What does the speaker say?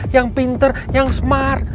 yang pinter yang smart